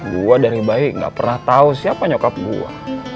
gue dari baik gak pernah tau siapa nyokap gue